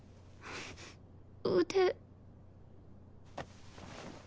腕。